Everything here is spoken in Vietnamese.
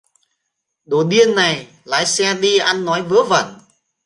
Đồ điền này lái xe đi ăn nói Vớ vẩn